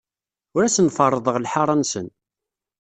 Ur asen-ferrḍeɣ lḥaṛa-nsen.